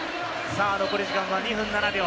残り時間は２分７秒。